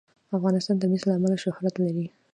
افغانستان د مس له امله شهرت لري.